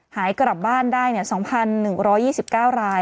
หายกลับบ้านได้๒๑๒๙ราย